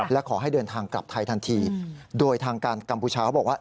และขอให้เดินทางกลับไทยทันทีโดยทางการกัมพูชาเขาบอกว่า